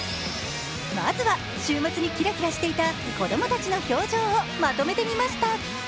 まずは週末にきらきらしていた子供たちの表情をまとめてみました。